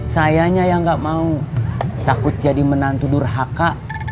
sayangnya yang nggak mau takut jadi menantu durhaka